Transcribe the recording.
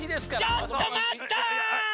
・ちょっとまった！